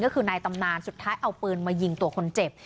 ก็คือนายตำนานสุดท้ายเอาปืนมายิงตัวคนเจ็บ